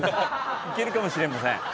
いけるかもしれません。